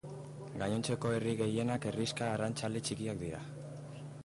Gainontzeko herri gehienak herrixka arrantzale txikiak dira.